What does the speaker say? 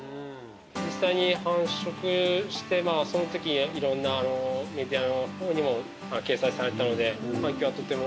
実際に繁殖してそのときいろんなメディアのほうにも掲載されたので反響がとても大きくて。